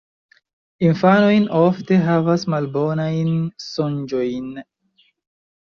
Infanoj ofte havas malbonajn sonĝojn.